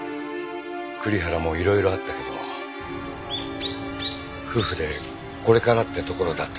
栗原もいろいろあったけど夫婦でこれからってところだったのに。